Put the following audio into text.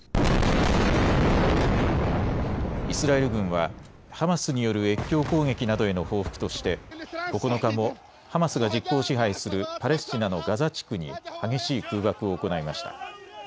イスラエル軍はハマスによる越境攻撃などへの報復として９日もハマスが実効支配するパレスチナのガザ地区に激しい空爆を行いました。